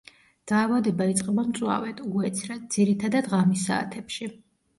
დაავადება იწყება მწვავედ, უეცრად, ძირითადად ღამის საათებში.